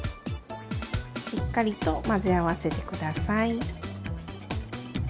しっかりと混ぜ合わせて下さい。